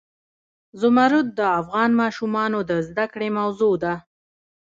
زمرد د افغان ماشومانو د زده کړې موضوع ده.